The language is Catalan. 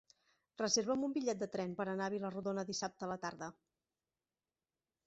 Reserva'm un bitllet de tren per anar a Vila-rodona dissabte a la tarda.